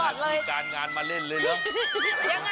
ที่การงานมาเล่นเลยเหรอ